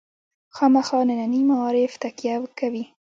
خامخا ننني معارف تکیه وکوي.